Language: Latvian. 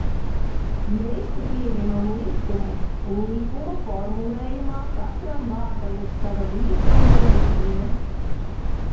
Mēs te pieņemam likumu un likuma formulējumā katram vārdam ir sava vieta un nozīme.